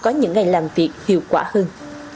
có những ngày làm việc hiệu quả hơn